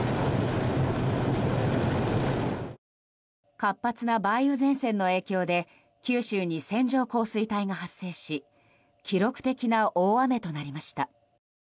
活発な梅雨前線の影響で九州に線状降水帯が発生し記録的な大雨となりました。